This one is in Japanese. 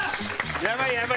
やばいやばい。